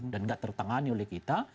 dan tidak tertangani oleh kita